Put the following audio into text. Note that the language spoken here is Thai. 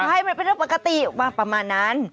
ใช่มันเป็นเรื่องปกติว่าประมาณนั้น